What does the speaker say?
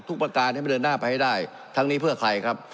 ประการให้มันเดินหน้าไปให้ได้ทั้งนี้เพื่อใครครับ